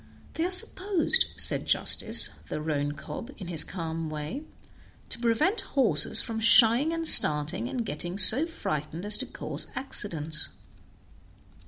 "They are supposed," said Justice, the roan cob, in his calm way, "to prevent horses from shying and starting, and getting so frightened as to cause accidents."